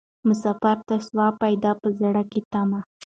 مسافر ته سوه پیدا په زړه کي تمه